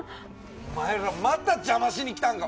お前ら！また邪魔しに来たんか！